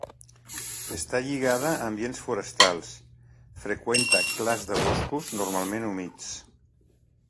Està lligada a ambients forestals: freqüenta clars de boscos, normalment humits.